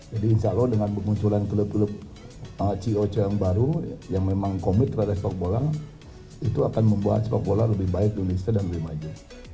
jadi insya allah dengan kemunculan klub klub ceo ceo yang baru yang memang komit pada sepak bola itu akan membuat sepak bola lebih baik di indonesia dan lebih maju